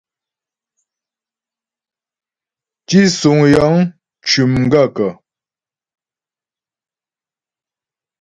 Tísuŋ yəŋ cʉ́ m gaə̂kə̀ ?